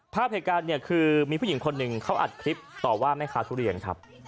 ภาพเหตุการณ์เนี่ยคือมีผู้หญิงคนหนึ่งเขาอัดคลิปต่อว่าแม่ค้าทุเรียนครับ